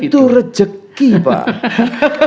kan itu rejeki pak